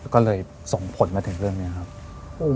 ก็เลยส่งผลมาถึงเรื่องนี้ครับ